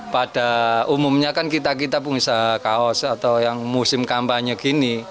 pada umumnya kan kita kita pengusaha kaos atau yang musim kampanye gini